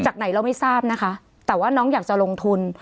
ไหนเราไม่ทราบนะคะแต่ว่าน้องอยากจะลงทุน